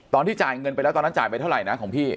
จ่ายเงินไปแล้วตอนนั้นจ่ายไปเท่าไหร่นะของพี่